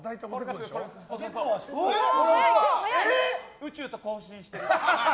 宇宙と交信してる。